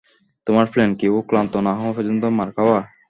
তোমার প্ল্যান কি ও ক্লান্ত না হওয়া পর্যন্ত মার খাওয়া?